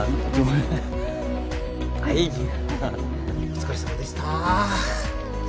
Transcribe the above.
お疲れさまでした。